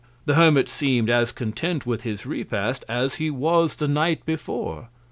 The Hermit seem'd as content with his Repast, as he was the Night before.